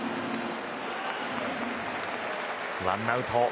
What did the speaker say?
ワンアウト。